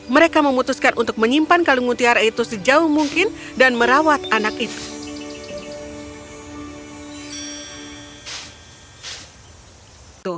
mereka memutuskan untuk menyimpan kalung mutiara itu sejauh mungkin dan merawat anak itu